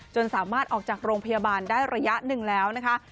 สามารถออกจากโรงพยาบาลได้ระยะหนึ่งแล้วนะคะ